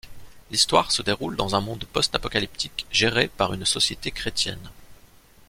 L'histoire se déroule dans un monde post-apocalyptique géré par une société chrétienne.